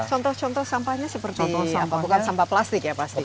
contoh contoh sampahnya seperti apa bukan sampah plastik ya